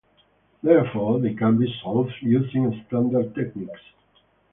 Therefore, they can be solved using standard techniques.